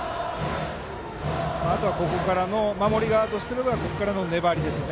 あとは守り側としてはここからの粘りですね。